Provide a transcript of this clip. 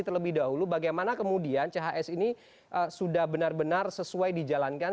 terlebih dahulu bagaimana kemudian chs ini sudah benar benar sesuai dijalankan